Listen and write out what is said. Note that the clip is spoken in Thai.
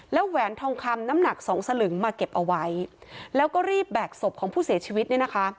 แล้วแหวนทองคำน้ำหนักสองสลึงมาเก็บเอาไว้แล้วก็รีบแบกศพของผู้เสียชีวิตเนี่ยนะคะ